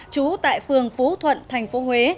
trú tại phường phú thuận thành phố huế